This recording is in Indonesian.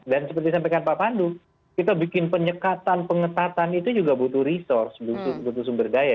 dan seperti sampaikan pak pandu kita bikin penyekatan pengetatan itu juga butuh resource butuh sumber daya